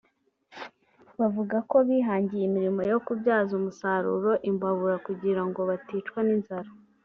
bavuga ko bihangiye imirimo yo kubyaza umusaroro imbabura kugira ngo baticwa n’inzara